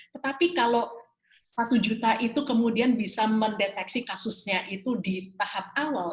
tetapi kalau satu juta itu kemudian bisa mendeteksi kasusnya itu di tahap awal